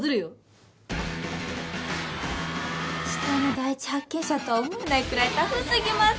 死体の第一発見者とは思えないくらいタフすぎます。